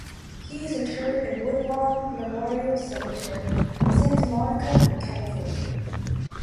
He is interred in Woodlawn Memorial Cemetery, Santa Monica, California.